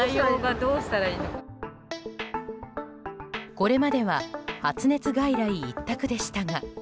これまでは発熱外来一択でしたが。